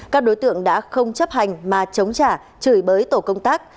các đối tượng đã không chấp hành mà chống trả chửi bới tổ công tác